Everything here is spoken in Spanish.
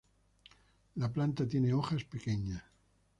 La planta tiene hojas pequeñas.